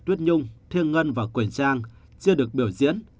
tuyết nhung thiêng ngân và quỳnh trang chưa được biểu diễn